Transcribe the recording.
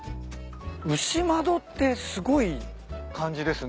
「牛窓」ってすごい漢字ですね。